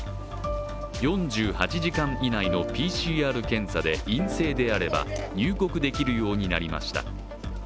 ４８時間以内のＰＣＲ検査で陰性であれば入国できるようになりました。